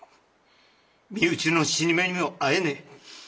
身内の死に目にもあえねえ。